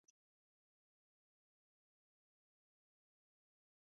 Sitoki hapa bila mguso wako.